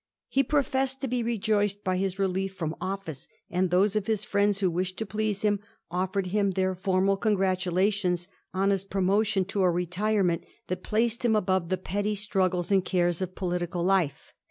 He pro fessed to be rejoiced by hi3 release from office, and those of his fiiends who wished to please him ofi^ered him their formal congratulations on his promotion to a retirement that placed him above the petty struggles and cares of political life.